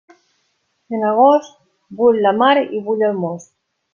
En agost, bull la mar i bull el most.